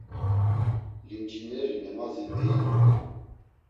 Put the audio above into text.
Limcineri nemazi meilu.